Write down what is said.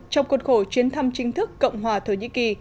trong cuộc khổ chuyến thăm chính thức cộng hòa thổ nhĩ kỳ